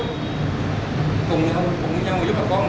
cùng nhau giúp bà con